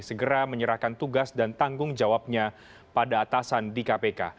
segera menyerahkan tugas dan tanggung jawabnya pada atasan di kpk